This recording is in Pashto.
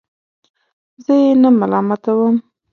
زه یې نه ملامتوم.